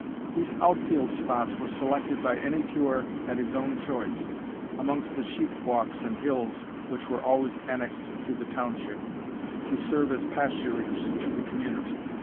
These out field spots were selected by any feuar at his own choice, amongst the sheep walks and hills which were always annexed to the Township, to serve as pasturage to the community.